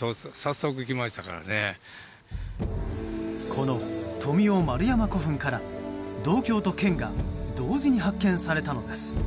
この富雄丸山古墳から銅鏡と剣が同時に発見されたのです。